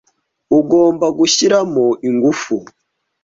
Ugomba gushyiramo ingufu.